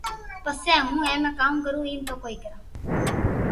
پسي ھون اي مي ڪاوُ ڪرو ايم تو ڪوئي ڪرو